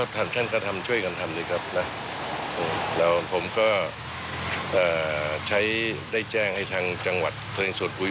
แต่ว่ายังไหลคตามท่าสื่อจะพิจารณาว่าเห็นสมควรที่จะพูดก็พูด